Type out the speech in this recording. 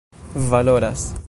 valoras